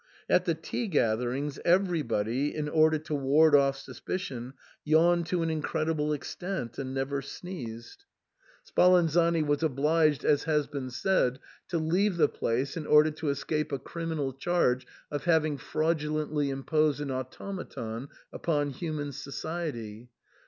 At the tea gatherings everybody, in order to ward oflP suspicion, yawned to an incredible extent and never sneezed. y 212 THE SAND MAN. Spalanzani was obliged, as has been said, to leave the place in order to escape a criminal charge of having fraudulently imposed an automaton upon human so ciety.